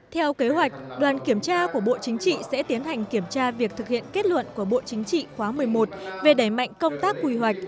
theo kế hoạch đoàn kiểm tra của bộ chính trị sẽ tiến hành kiểm tra việc thực hiện kết luận của bộ chính trị khóa một mươi một về đẩy mạnh công tác quy hoạch